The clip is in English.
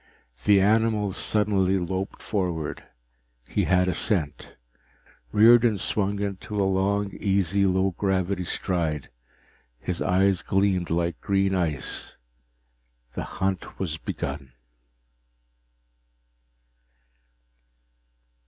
The animal suddenly loped forward. He had a scent. Riordan swung into a long, easy low gravity stride. His eyes gleamed like green ice. The hunt was begun!